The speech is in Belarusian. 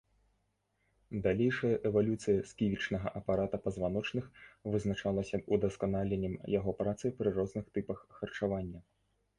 Далейшая эвалюцыя сківічнага апарата пазваночных вызначалася удасканаленнем яго працы пры розных тыпах харчавання.